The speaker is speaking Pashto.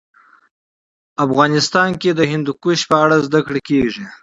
افغانستان کې د هندوکش په اړه زده کړه کېږي.